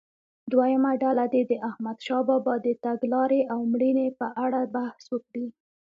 دویمه ډله دې د احمدشاه بابا د تګلارې او مړینې په اړه بحث وکړي.